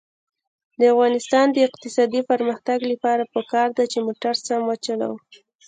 د افغانستان د اقتصادي پرمختګ لپاره پکار ده چې موټر سم وچلوو.